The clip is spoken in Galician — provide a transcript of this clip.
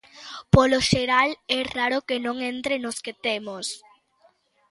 Polo xeral é raro que non entre nos que temos.